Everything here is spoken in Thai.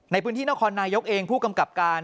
ในพื้นที่นครนายกเองผู้กำกับการ